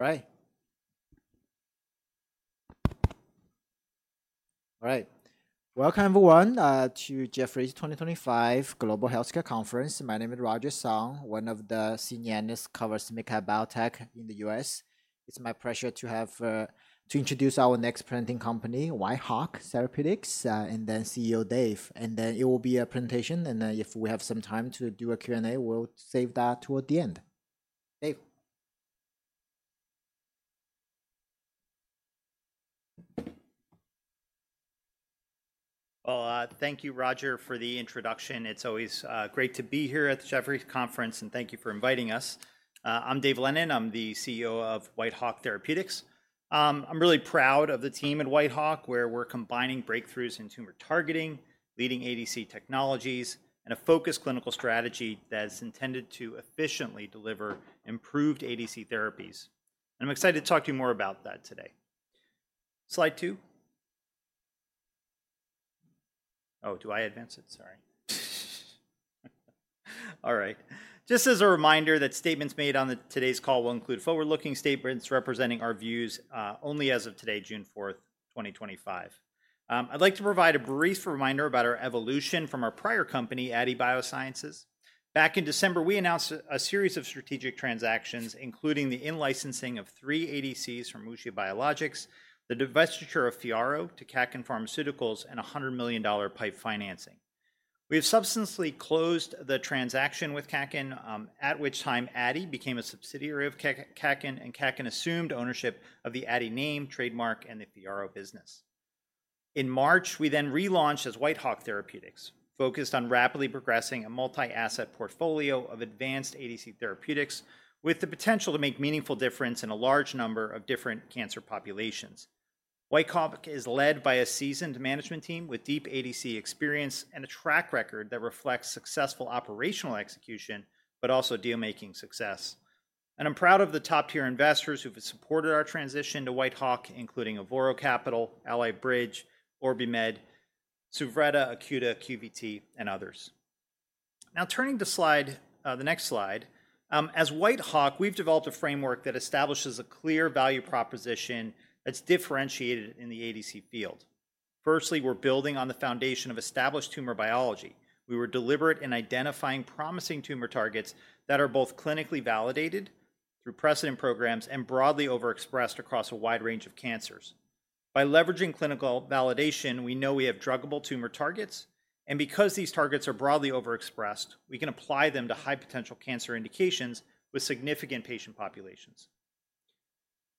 Right. Right. Welcome, everyone, to Jefferies 2025 Global Healthcare Conference. My name is Roger Song, one of the senior analysts covering MedTech Biotech in the U.S. It's my pleasure to have to introduce our next presenting company, Whitehawk Therapeutics, and then CEO Dave. And then it will be a presentation, and if we have some time to do a Q&A, we'll save that toward the end. Dave. Thank you, Roger, for the introduction. It's always great to be here at the Jefferies Conference, and thank you for inviting us. I'm Dave Lennon. I'm the CEO of Whitehawk Therapeutics. I'm really proud of the team at Whitehawk, where we're combining breakthroughs in tumor targeting, leading ADC technologies, and a focused clinical strategy that's intended to efficiently deliver improved ADC therapies. I'm excited to talk to you more about that today. Slide two. Oh, do I advance it? Sorry. All right. Just as a reminder, the statements made on today's call will include forward-looking statements representing our views only as of today, June 4, 2025. I'd like to provide a brief reminder about our evolution from our prior company, Aadi Bioscience. Back in December, we announced a series of strategic transactions, including the in-licensing of three ADCs from WuXi Biologics, the divestiture of FYARRO to Kaken Pharmaceuticals, and $100 million pipe financing. We have substantially closed the transaction with Kaken, at which time Aadi became a subsidiary of Kaken, and Kaken assumed ownership of the Aadi name, trademark, and the FYARRO business. In March, we then relaunched as Whitehawk Therapeutics, focused on rapidly progressing a multi-asset portfolio of advanced ADC therapeutics with the potential to make a meaningful difference in a large number of different cancer populations. Whitehawk is led by a seasoned management team with deep ADC experience and a track record that reflects successful operational execution, but also deal-making success. I'm proud of the top-tier investors who have supported our transition to Whitehawk, including Avoro Capital, Ally Bridge, OrbiMed, Suvretta, Acuta, QVT, and others. Now, turning to the next slide, as Whitehawk, we've developed a framework that establishes a clear value proposition that's differentiated in the ADC field. Firstly, we're building on the foundation of established tumor biology. We were deliberate in identifying promising tumor targets that are both clinically validated through precedent programs and broadly overexpressed across a wide range of cancers. By leveraging clinical validation, we know we have druggable tumor targets, and because these targets are broadly overexpressed, we can apply them to high-potential cancer indications with significant patient populations.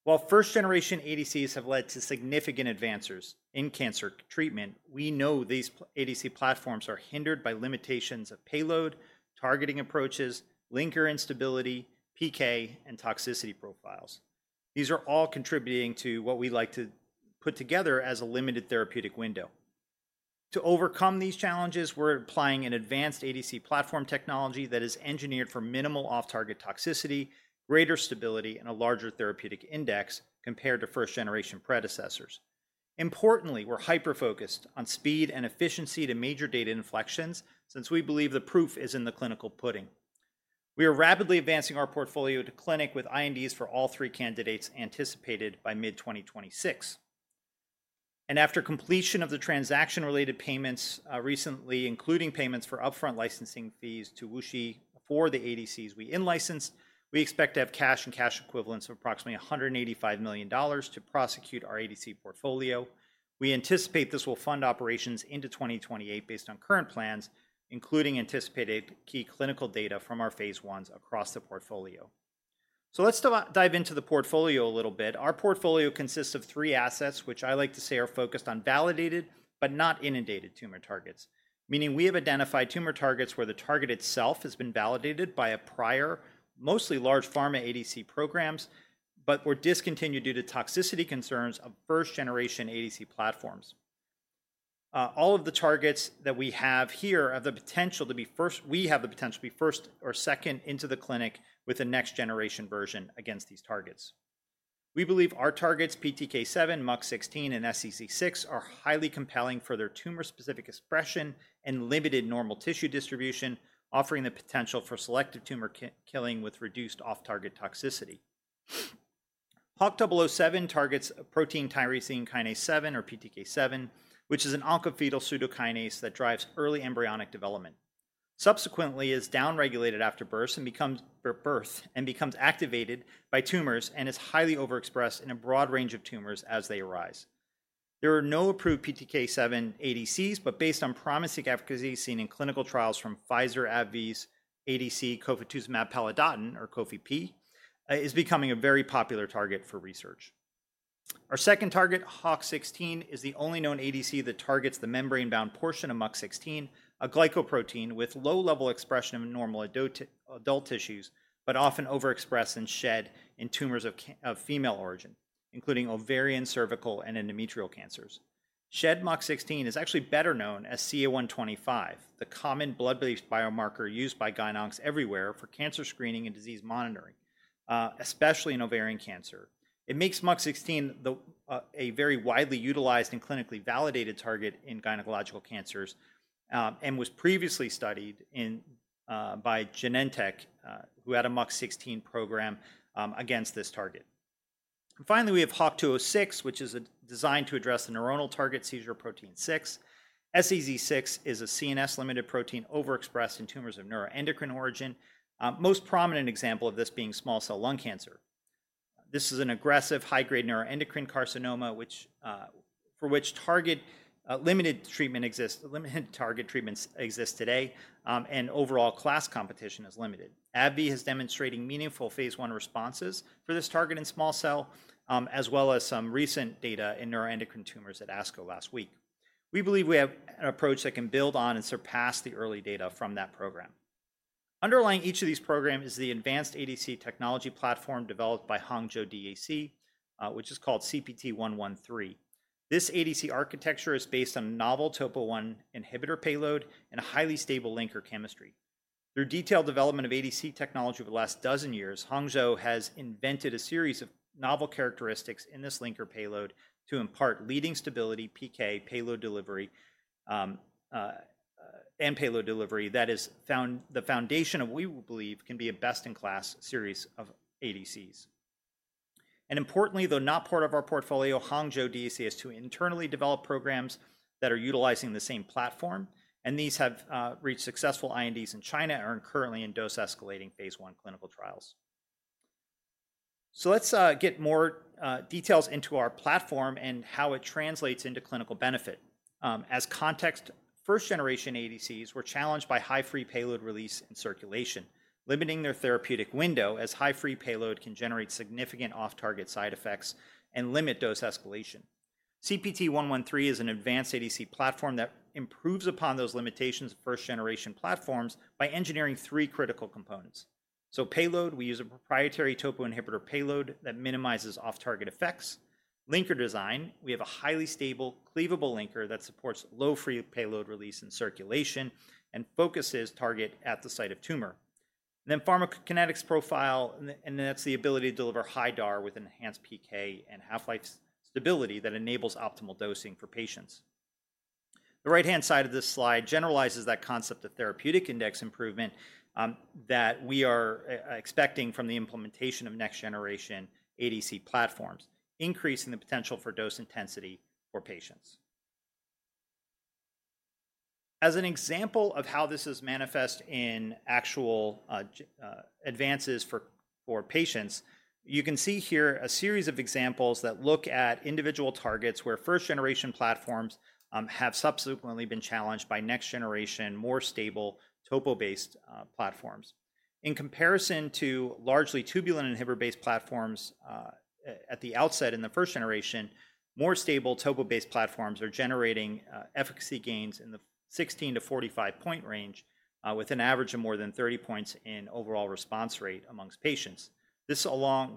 While first-generation ADCs have led to significant advances in cancer treatment, we know these ADC platforms are hindered by limitations of payload, targeting approaches, linker instability, PK, and toxicity profiles. These are all contributing to what we like to put together as a limited therapeutic window. To overcome these challenges, we're applying an advanced ADC platform technology that is engineered for minimal off-target toxicity, greater stability, and a larger therapeutic index compared to first-generation predecessors. Importantly, we're hyper-focused on speed and efficiency to major data inflections since we believe the proof is in the clinical pudding. We are rapidly advancing our portfolio to clinic with INDs for all three candidates anticipated by mid-2026. After completion of the transaction-related payments recently, including payments for upfront licensing fees to WuXi for the ADCs we in-licensed, we expect to have cash and cash equivalents of approximately $185 million to prosecute our ADC portfolio. We anticipate this will fund operations into 2028 based on current plans, including anticipated key clinical data from our phase ones across the portfolio. Let's dive into the portfolio a little bit. Our portfolio consists of three assets, which I like to say are focused on validated but not inundated tumor targets, meaning we have identified tumor targets where the target itself has been validated by a prior, mostly large pharma ADC programs, but were discontinued due to toxicity concerns of first-generation ADC platforms. All of the targets that we have here have the potential to be first; we have the potential to be first or second into the clinic with a next-generation version against these targets. We believe our targets, PTK7, MUC16, and SEZ6, are highly compelling for their tumor-specific expression and limited normal tissue distribution, offering the potential for selective tumor killing with reduced off-target toxicity. HWK-007 targets protein tyrosine kinase 7, or PTK7, which is an oncofetal pseudokinase that drives early embryonic development. Subsequently, it is downregulated after birth and becomes activated by tumors and is highly overexpressed in a broad range of tumors as they arise. There are no approved PTK7 ADCs, but based on promising efficacy seen in clinical trials from Pfizer-AbbVie's ADC, cofetuzumab pelidotin, or COFI-P, it is becoming a very popular target for research. Our second target, HWK-016, is the only known ADC that targets the membrane-bound portion of MUC16, a glycoprotein with low-level expression in normal adult tissues, but often overexpressed and shed in tumors of female origin, including ovarian, cervical, and endometrial cancers. Shed MUC16 is actually better known as CA125, the common blood-based biomarker used by gynecologists everywhere for cancer screening and disease monitoring, especially in ovarian cancer. It makes MUC16 a very widely utilized and clinically validated target in gynecological cancers and was previously studied by Genentech, who had a MUC16 program against this target. Finally, we have HWK-206, which is designed to address the neuronal target SEZ6. SEZ6 is a CNS-limited protein overexpressed in tumors of neuroendocrine origin, most prominent example of this being small cell lung cancer. This is an aggressive high-grade neuroendocrine carcinoma for which limited treatments exist today, and overall class competition is limited. AbbVie is demonstrating meaningful phase I responses for this target in small cell, as well as some recent data in neuroendocrine tumors at ASCO last week. We believe we have an approach that can build on and surpass the early data from that program. Underlying each of these programs is the advanced ADC technology platform developed by Hangzhou DAC, which is called CPT113. This ADC architecture is based on a novel topo-1 inhibitor payload and a highly stable linker chemistry. Through detailed development of ADC technology over the last dozen years, Hangzhou DAC has invented a series of novel characteristics in this linker payload to impart leading stability, PK, payload delivery, and payload delivery that is the foundation of what we believe can be a best-in-class series of ADCs. Importantly, though not part of our portfolio, Hangzhou DAC has two internally developed programs that are utilizing the same platform, and these have reached successful INDs in China and are currently in dose-escalating phase one clinical trials. Let's get more details into our platform and how it translates into clinical benefit. As context, first-generation ADCs were challenged by high-free payload release in circulation, limiting their therapeutic window as high-free payload can generate significant off-target side effects and limit dose escalation. CPT113 is an advanced ADC platform that improves upon those limitations of first-generation platforms by engineering three critical components. Payload, we use a proprietary topo inhibitor payload that minimizes off-target effects. Linker design, we have a highly stable, cleavable linker that supports low-free payload release in circulation and focuses target at the site of tumor. Then pharmacokinetics profile, and that's the ability to deliver high DAR with enhanced PK and half-life stability that enables optimal dosing for patients. The right-hand side of this slide generalizes that concept of therapeutic index improvement that we are expecting from the implementation of next-generation ADC platforms, increasing the potential for dose intensity for patients. As an example of how this is manifest in actual advances for patients, you can see here a series of examples that look at individual targets where first-generation platforms have subsequently been challenged by next-generation, more stable topo-based platforms. In comparison to largely tubulin inhibitor-based platforms at the outset in the first generation, more stable topo-based platforms are generating efficacy gains in the 16-45 percentage point range with an average of more than 30 percentage points in overall response rate amongst patients. This also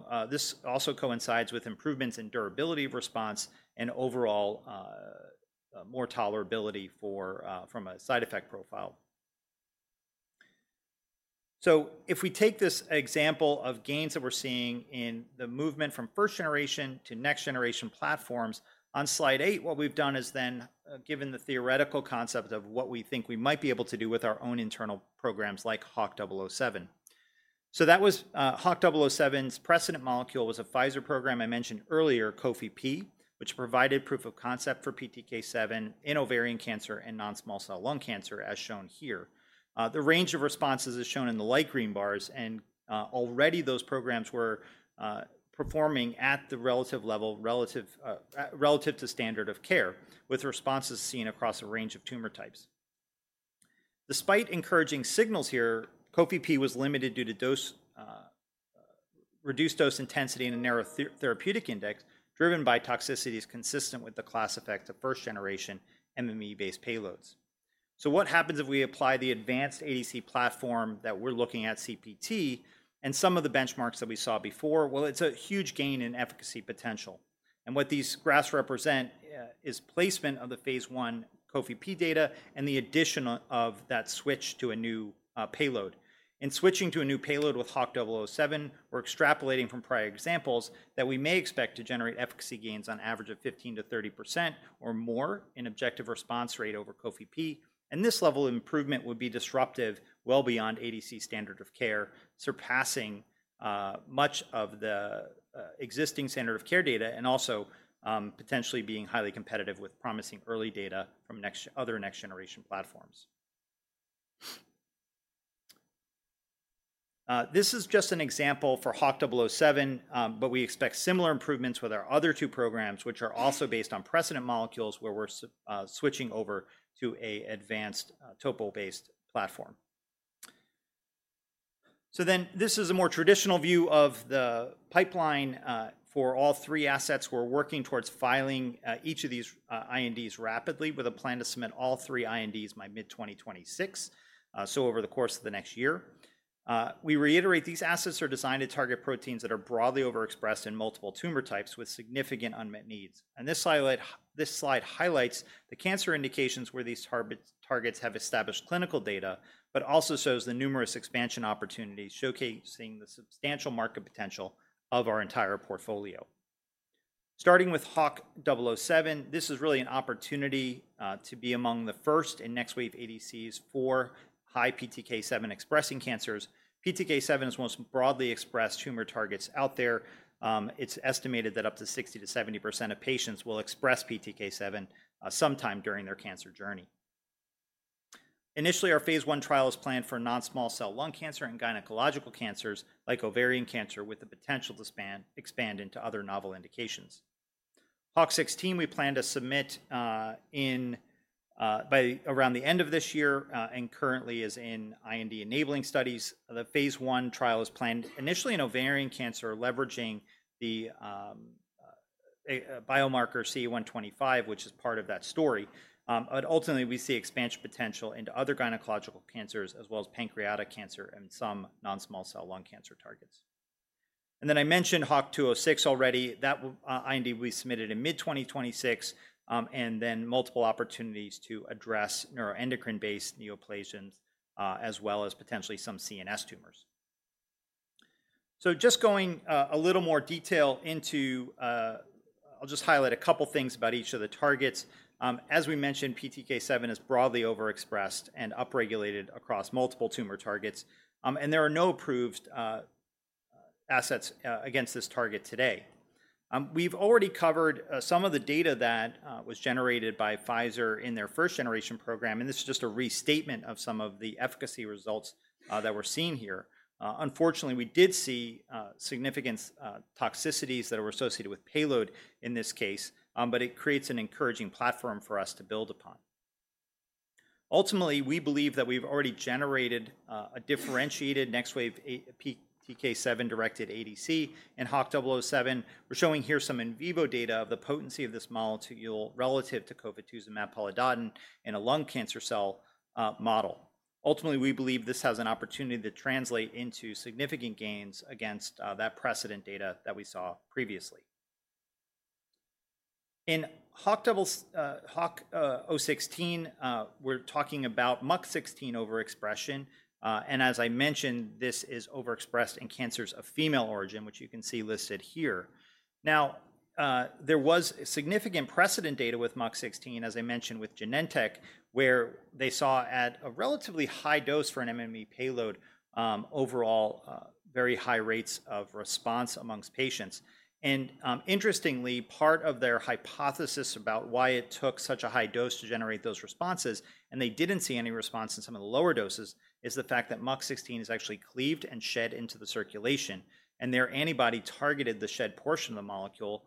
coincides with improvements in durability of response and overall more tolerability from a side effect profile. If we take this example of gains that we are seeing in the movement from first-generation to next-generation platforms, on slide eight, what we have done is then given the theoretical concept of what we think we might be able to do with our own internal programs like HWK-007. That was HWK-007's precedent molecule, which was a Pfizer program I mentioned earlier, cofetuzumab pelidotin, which provided proof of concept for PTK7 in ovarian cancer and non-small cell lung cancer, as shown here. The range of responses is shown in the light green bars, and already those programs were performing at the relative level relative to standard of care with responses seen across a range of tumor types. Despite encouraging signals here, COFI-P was limited due to reduced dose intensity and a narrow therapeutic index driven by toxicities consistent with the class effect of first-generation MME-based payloads. What happens if we apply the advanced ADC platform that we're looking at, CPT, and some of the benchmarks that we saw before? It is a huge gain in efficacy potential. What these graphs represent is placement of the phase one COFI-P data and the addition of that switch to a new payload. In switching to a new payload with HWK-007, we're extrapolating from prior examples that we may expect to generate efficacy gains on average of 15%-30% or more in objective response rate over cofetuzumab pelidotin, and this level of improvement would be disruptive well beyond ADC standard of care, surpassing much of the existing standard of care data and also potentially being highly competitive with promising early data from other next-generation platforms. This is just an example for HWK-007, but we expect similar improvements with our other two programs, which are also based on precedent molecules where we're switching over to an advanced topo-based platform. This is a more traditional view of the pipeline for all three assets. We're working towards filing each of these INDs rapidly with a plan to submit all three INDs by mid-2026, over the course of the next year. We reiterate these assets are designed to target proteins that are broadly overexpressed in multiple tumor types with significant unmet needs. This slide highlights the cancer indications where these targets have established clinical data, but also shows the numerous expansion opportunities, showcasing the substantial market potential of our entire portfolio. Starting with HWK-007, this is really an opportunity to be among the first and next-wave ADCs for high PTK7-expressing cancers. PTK7 is one of the most broadly expressed tumor targets out there. It's estimated that up to 60-70% of patients will express PTK7 sometime during their cancer journey. Initially, our phase one trial is planned for non-small cell lung cancer and gynecological cancers like ovarian cancer, with the potential to expand into other novel indications. HWK-016, we plan to submit by around the end of this year and currently is in IND enabling studies. The phase one trial is planned initially in ovarian cancer, leveraging the biomarker CA125, which is part of that story. Ultimately, we see expansion potential into other gynecological cancers, as well as pancreatic cancer and some non-small cell lung cancer targets. I mentioned HWK-206 already. That IND will be submitted in mid-2026, and then multiple opportunities to address neuroendocrine-based neoplasias, as well as potentially some CNS tumors. Just going a little more detail into, I'll just highlight a couple of things about each of the targets. As we mentioned, PTK7 is broadly overexpressed and upregulated across multiple tumor targets, and there are no approved assets against this target today. We've already covered some of the data that was generated by Pfizer in their first-generation program, and this is just a restatement of some of the efficacy results that we're seeing here. Unfortunately, we did see significant toxicities that were associated with payload in this case, but it creates an encouraging platform for us to build upon. Ultimately, we believe that we've already generated a differentiated next-wave PTK7-directed ADC in HWK-007. We're showing here some in vivo data of the potency of this molecule relative to cofetuzumab pelidotin in a lung cancer cell model. Ultimately, we believe this has an opportunity to translate into significant gains against that precedent data that we saw previously. In HWK-016, we're talking about MUC16 overexpression, and as I mentioned, this is overexpressed in cancers of female origin, which you can see listed here. Now, there was significant precedent data with MUC16, as I mentioned, with Genentech, where they saw at a relatively high dose for an MMAE payload, overall very high rates of response amongst patients. Interestingly, part of their hypothesis about why it took such a high dose to generate those responses, and they did not see any response in some of the lower doses, is the fact that MUC16 is actually cleaved and shed into the circulation, and their antibody targeted the shed portion of the molecule,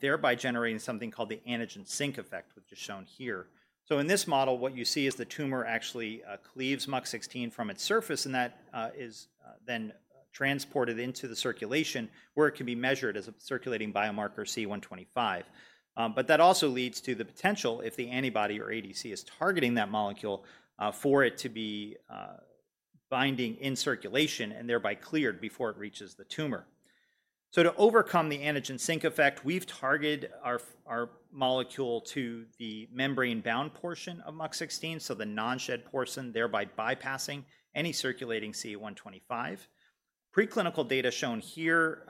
thereby generating something called the antigen sink effect, which is shown here. In this model, what you see is the tumor actually cleaves MUC16 from its surface, and that is then transported into the circulation where it can be measured as a circulating biomarker CA125. That also leads to the potential, if the antibody or ADC is targeting that molecule, for it to be binding in circulation and thereby cleared before it reaches the tumor. To overcome the antigen sink effect, we've targeted our molecule to the membrane-bound portion of MUC16, so the non-shed portion, thereby bypassing any circulating CA125. Preclinical data shown here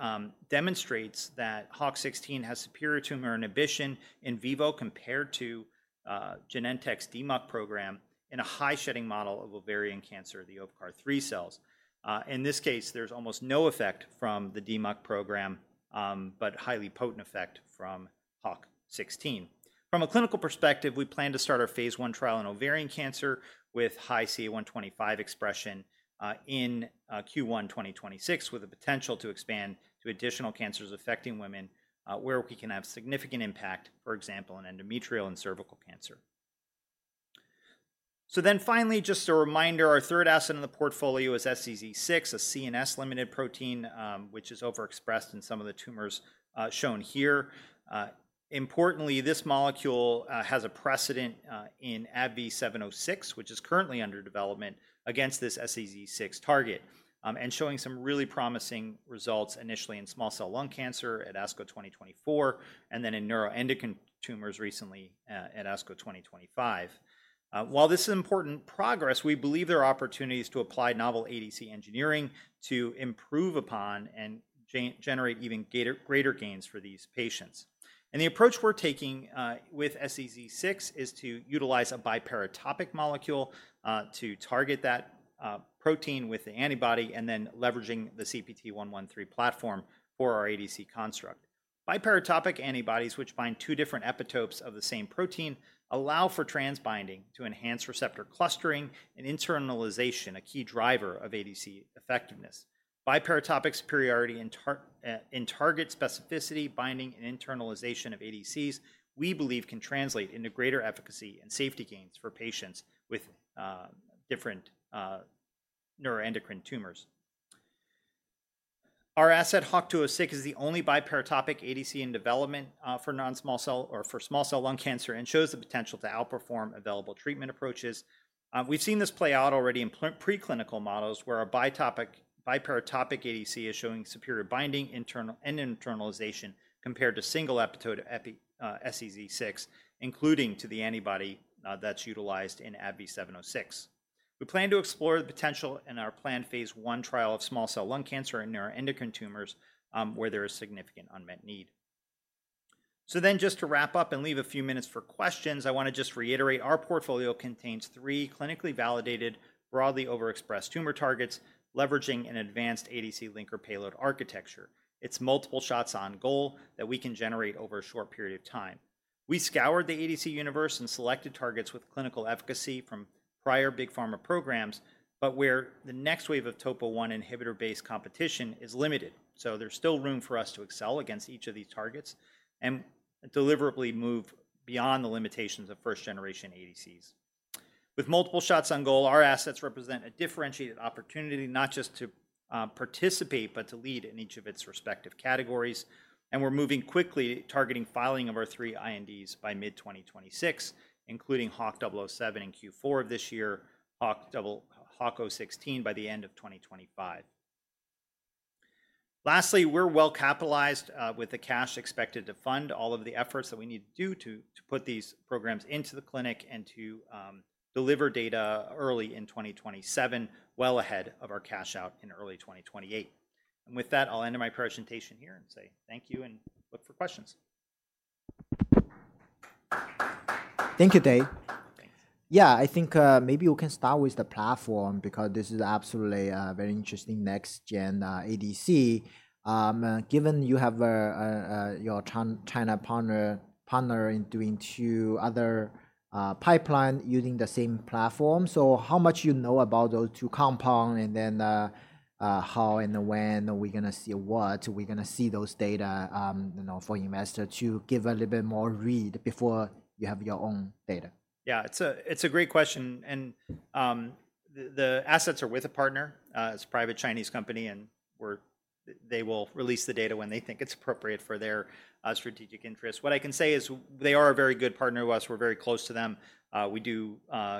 demonstrates that HWK-016 has superior tumor inhibition in vivo compared to Genentech's DMUC program in a high-shedding model of ovarian cancer, the OVCAR3 cells. In this case, there's almost no effect from the DMUC program, but highly potent effect from HWK-016. From a clinical perspective, we plan to start our phase one trial in ovarian cancer with high CA125 expression in Q1 2026, with the potential to expand to additional cancers affecting women where we can have significant impact, for example, in endometrial and cervical cancer. Finally, just a reminder, our third asset in the portfolio is SEZ6, a CNS-limited protein, which is overexpressed in some of the tumors shown here. Importantly, this molecule has a precedent in AbbVie 706, which is currently under development against this SEZ6 target, and showing some really promising results initially in small cell lung cancer at ASCO 2024, and then in neuroendocrine tumors recently at ASCO 2025. While this is important progress, we believe there are opportunities to apply novel ADC engineering to improve upon and generate even greater gains for these patients. The approach we're taking with SEZ6 is to utilize a Biparatopic molecule to target that protein with the antibody and then leveraging the CPT113 platform for our ADC construct. Biparatopic antibodies, which bind two different epitopes of the same protein, allow for transbinding to enhance receptor clustering and internalization, a key driver of ADC effectiveness. Biparatopic superiority in target specificity, binding, and internalization of ADCs, we believe, can translate into greater efficacy and safety gains for patients with different neuroendocrine tumors. Our asset, HWK-206, is the only Biparatopic ADC in development for small cell lung cancer and shows the potential to outperform available treatment approaches. We've seen this play out already in preclinical models where a Biparatopic ADC is showing superior binding and internalization compared to single epitope SEZ6, including to the antibody that's utilized in AbbVie 706. We plan to explore the potential in our planned phase one trial of small cell lung cancer and neuroendocrine tumors where there is significant unmet need. Just to wrap up and leave a few minutes for questions, I want to just reiterate our portfolio contains three clinically validated, broadly overexpressed tumor targets, leveraging an advanced ADC linker payload architecture. It's multiple shots on goal that we can generate over a short period of time. We scoured the ADC universe and selected targets with clinical efficacy from prior big pharma programs, but where the next wave of topo-1 inhibitor-based competition is limited. There is still room for us to excel against each of these targets and deliberately move beyond the limitations of first-generation ADCs. With multiple shots on goal, our assets represent a differentiated opportunity not just to participate, but to lead in each of its respective categories. We are moving quickly, targeting filing of our three INDs by mid-2026, including HWK-007 in Q4 of this year, HWK-016 by the end of 2025. Lastly, we are well capitalized with the cash expected to fund all of the efforts that we need to do to put these programs into the clinic and to deliver data early in 2027, well ahead of our cash out in early 2028. I'll end my presentation here and say thank you and look for questions. Thank you, Dave. Thanks. Yeah, I think maybe we can start with the platform because this is absolutely a very interesting next-gen ADC, given you have your China partner in doing two other pipelines using the same platform. How much do you know about those two compounds and then how and when are we going to see what? Are we going to see those data for investors to give a little bit more read before you have your own data? Yeah, it's a great question. The assets are with a partner. It's a private Chinese company, and they will release the data when they think it's appropriate for their strategic interests. What I can say is they are a very good partner to us. We're very close to them. We do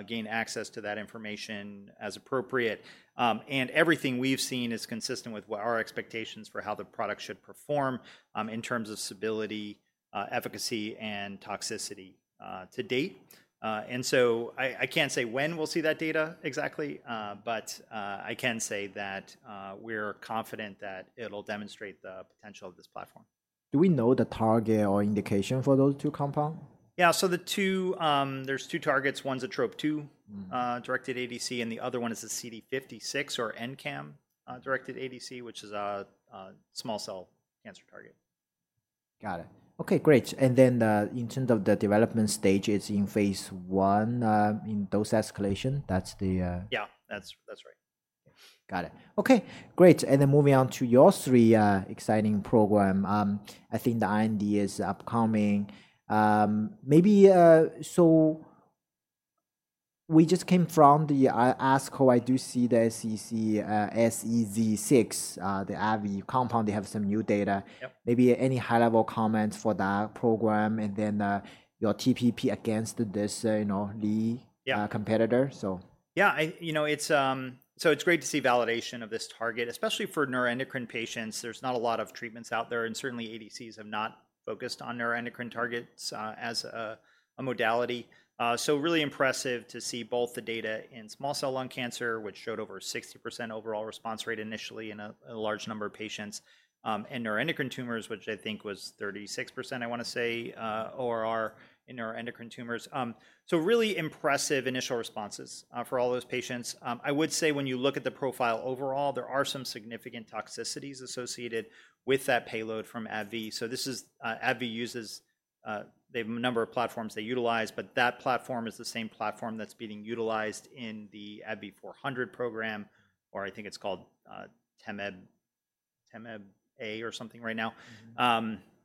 gain access to that information as appropriate. Everything we've seen is consistent with our expectations for how the product should perform in terms of stability, efficacy, and toxicity to date. I can't say when we'll see that data exactly, but I can say that we're confident that it'll demonstrate the potential of this platform. Do we know the target or indication for those two compounds? Yeah, so there's two targets. One's a TROP2-directed ADC, and the other one is a CD56 or NCAM-directed ADC, which is a small cell cancer target. Got it. Okay, great. In terms of the development stage, it's in phase one in dose escalation. That's the... Yeah, that's right. Got it. Okay, great. Then moving on to your three exciting programs. I think the IND is upcoming. We just came from the ASCO. I do see the SEZ6, the AbbVie compound. They have some new data. Maybe any high-level comments for that program and then your TPP against this lead competitor, so... Yeah, so it's great to see validation of this target, especially for neuroendocrine patients. There's not a lot of treatments out there, and certainly ADCs have not focused on neuroendocrine targets as a modality. Really impressive to see both the data in small cell lung cancer, which showed over 60% overall response rate initially in a large number of patients, and neuroendocrine tumors, which I think was 36%, I want to say, ORR in neuroendocrine tumors. Really impressive initial responses for all those patients. I would say when you look at the profile overall, there are some significant toxicities associated with that payload from AbbVie. AbbVie uses a number of platforms they utilize, but that platform is the same platform that's being utilized in the AbbVie 400 program, or I think it's called Temed A or something right now,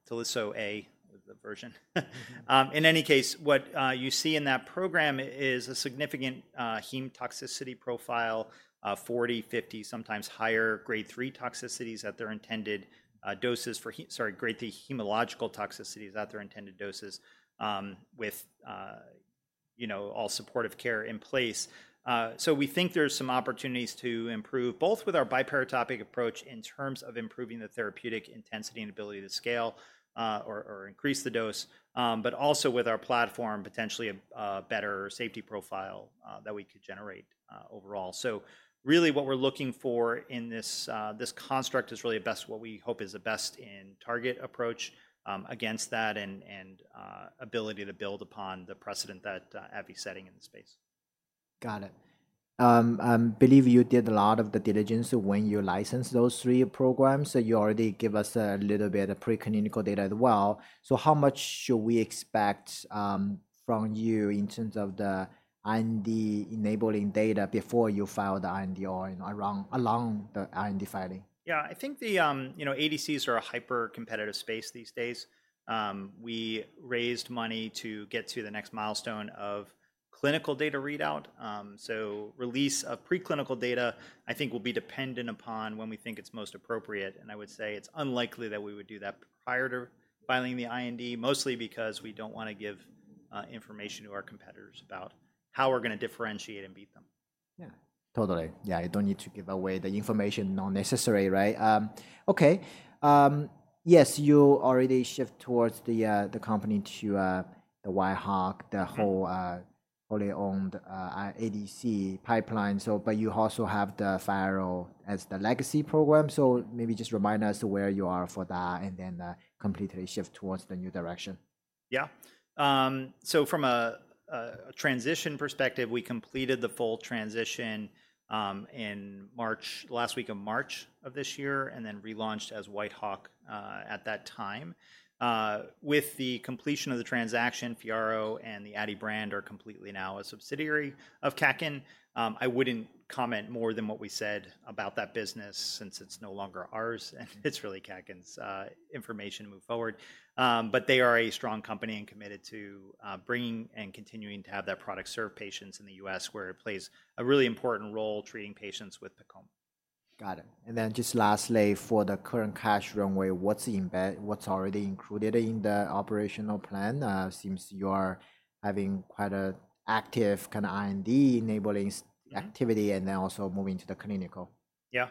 Taliso A, the version. In any case, what you see in that program is a significant heme toxicity profile, 40-50, sometimes higher, grade 3 toxicities at their intended doses for, sorry, grade 3 hematological toxicities at their intended doses with all supportive care in place. We think there's some opportunities to improve both with our Biparatopic approach in terms of improving the therapeutic intensity and ability to scale or increase the dose, but also with our platform, potentially a better safety profile that we could generate overall. What we're looking for in this construct is really what we hope is the best in target approach against that and ability to build upon the precedent that AbbVie is setting in the space. Got it. I believe you did a lot of the diligence when you licensed those three programs. You already gave us a little bit of preclinical data as well. How much should we expect from you in terms of the IND-enabling data before you file the IND or along the IND filing? Yeah, I think the ADCs are a hyper-competitive space these days. We raised money to get to the next milestone of clinical data readout. Release of preclinical data, I think, will be dependent upon when we think it's most appropriate. I would say it's unlikely that we would do that prior to filing the IND, mostly because we don't want to give information to our competitors about how we're going to differentiate and beat them. Yeah, totally. Yeah, you do not need to give away the information unnecessarily, right? Okay. Yes, you already shift towards the company to the Whitehawk, the wholly owned ADC pipeline. But you also have the FYARRO as the legacy program. So maybe just remind us where you are for that and then completely shift towards the new direction. Yeah. From a transition perspective, we completed the full transition in the last week of March of this year and then relaunched as Whitehawk at that time. With the completion of the transaction, FYARRO and the Aadi brand are completely now a subsidiary of Kaken. I would not comment more than what we said about that business since it is no longer ours, and it is really Kaken's information to move forward. They are a strong company and committed to bringing and continuing to have that product serve patients in the US, where it plays a really important role treating patients with PEComa. Got it. And then just lastly, for the current cash runway, what's already included in the operational plan? It seems you are having quite an active kind of IND-enabling activity and then also moving to the clinical. Yeah.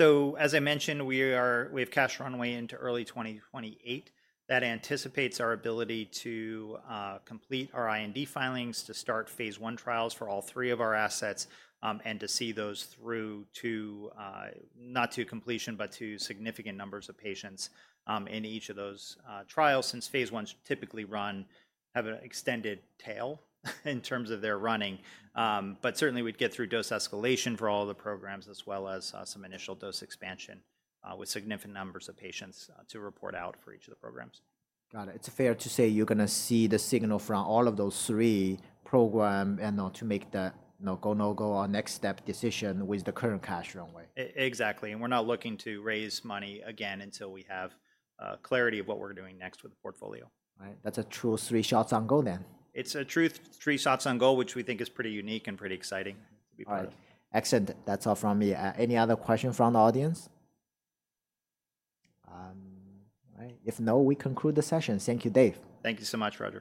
As I mentioned, we have cash runway into early 2028. That anticipates our ability to complete our IND filings, to start phase one trials for all three of our assets, and to see those through to not to completion, but to significant numbers of patients in each of those trials since phase ones typically have an extended tail in terms of their running. Certainly, we'd get through dose escalation for all the programs as well as some initial dose expansion with significant numbers of patients to report out for each of the programs. Got it. It's fair to say you're going to see the signal from all of those three programs to make the go-no-go or next-step decision with the current cash runway. Exactly. We are not looking to raise money again until we have clarity of what we are doing next with the portfolio. Right. That's a true three shots on goal then. It's a true three shots on goal, which we think is pretty unique and pretty exciting to be part of. All right. Excellent. That's all from me. Any other questions from the audience? If no, we conclude the session. Thank you, Dave. Thank you so much, Roger.